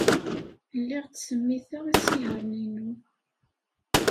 Lliɣ ttsemmiteɣ isihaṛen-inu.